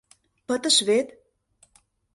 Пытыш вет?!